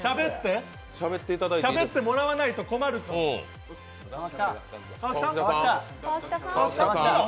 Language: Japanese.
しゃべってもらわないと困るから。